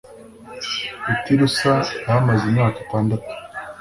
I Tirusa yahamaze imyaka itandatu